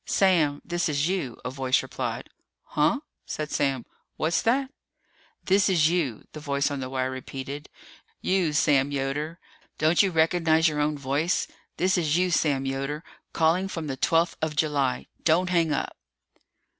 "Sam, this is you," a voice replied. "Huh?" said Sam. "What's that?" "This is you," the voice on the wire repeated. "You, Sam Yoder. Don't you recognize your own voice? This is you, Sam Yoder, calling from the twelfth of July. Don't hang up!"